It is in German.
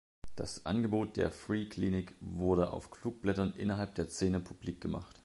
Das Angebot der Free Clinic wurde auf Flugblättern innerhalb der Szene publik gemacht.